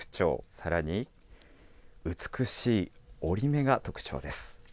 さらに美しい折り目が特徴です。